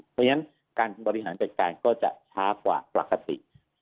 เพราะฉะนั้นการบริหารจัดการก็จะช้ากว่าปกติ